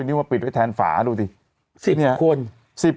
ชอบคุณครับ